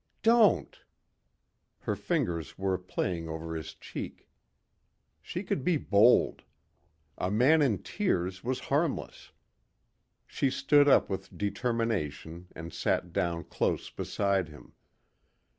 "Don't...." Her fingers were playing over his cheek. She could be bold. A man in tears was harmless. She stood up with determination and sat down close beside him.